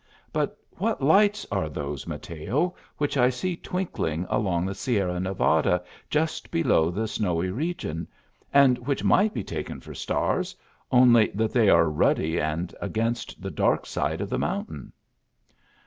" But what lights are those, Mateo, which I see twinkling along the Sierra Nevada, just below the snowy region, and which might be taken for stars, only that they are ruddy and against the dark side of the mountain